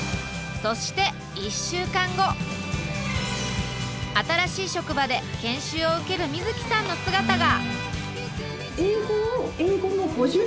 そして新しい職場で研修を受ける瑞樹さんの姿が！